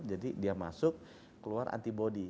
jadi dia masuk keluar antibody